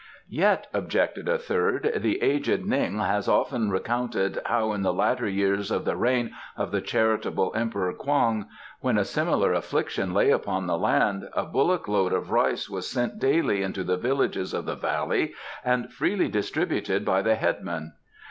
"Yet," objected a third, "the aged Ning has often recounted how in the latter years of the reign of the charitable Emperor Kwong, when a similar infliction lay upon the land, a bullock load of rice was sent daily into the villages of the valley and freely distributed by the headman.